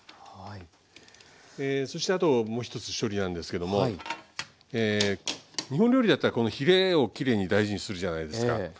そしてあともう一つ処理なんですけども日本料理だったらこのヒレをきれいに大事にするじゃないですか。